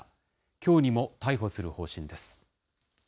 きょうにも逮捕する方針です。